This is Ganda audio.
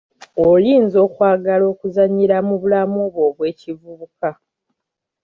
Oyinza okwagala okuzannyira mu bulamu bwo obw'ekivubuka.